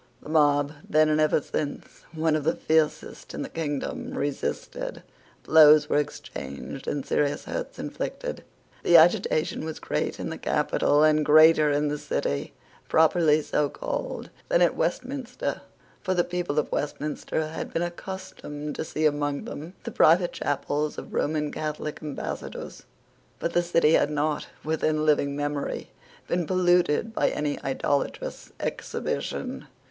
The mob, then and ever since one of the fiercest in the kingdom, resisted. Blows were exchanged, and serious hurts inflicted. The agitation was great in the capital, and greater in the City, properly so called, than at Westminster. For the people of Westminster had been accustomed to see among them the private chapels of Roman Catholic Ambassadors: but the City had not, within living memory, been polluted by any idolatrous exhibition.